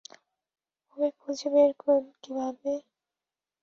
ওকে খুঁজে বের করবে কীভাবে?